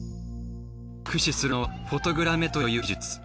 駆使するのはフォトグラメトリという技術。